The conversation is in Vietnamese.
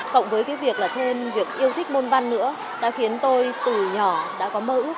cộng với việc yêu thích môn văn nữa đã khiến tôi từ nhỏ đã có mơ ước